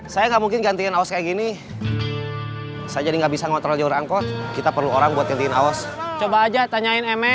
sampai jumpa di video selanjutnya